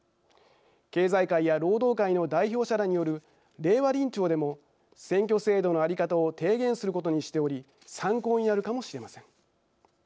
経済界や労働界の代表者らによる令和臨調でも選挙制度の在り方を提言することにしており参考になるかもしれません。